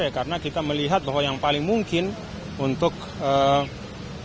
ya karena kita melihat bahwa yang paling mungkin untuk